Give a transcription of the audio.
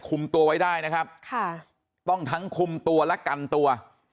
ตัวไว้ได้นะครับค่ะต้องทั้งคุมตัวและกันตัว